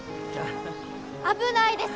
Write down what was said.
危ないです！